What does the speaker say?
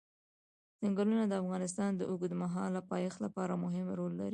ځنګلونه د افغانستان د اوږدمهاله پایښت لپاره مهم رول لري.